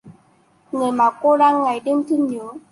Người mà cô đang ngày đêm thương nhớ